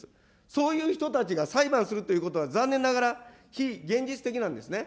そういう人たちが裁判するということは、残念ながら非現実的なんですね。